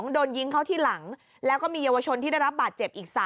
โดนยิงเขาที่หลังแล้วก็มีเยาวชนที่ได้รับบาดเจ็บอีก๓